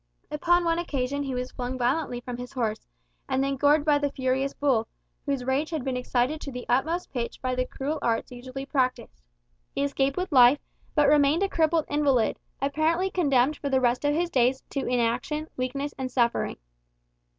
Upon one occasion he was flung violently from his horse, and then gored by the furious bull, whose rage had been excited to the utmost pitch by the cruel arts usually practised. He escaped with life, but remained a crippled invalid, apparently condemned for the rest of his days to inaction, weakness, and suffering.